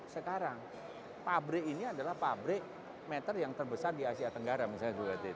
sekarang pabrik ini adalah pabrik meter yang terbesar di asia tenggara misalnya juga